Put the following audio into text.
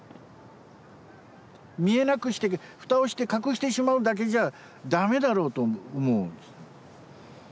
見えなくして蓋をして隠してしまうだけじゃダメだろうと思うんです。